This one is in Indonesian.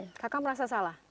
kakak merasa salah